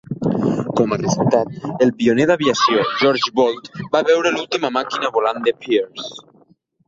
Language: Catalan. Com a resultat, el pioner d'aviació George Bolt va veure l'última màquina volant de Pearse.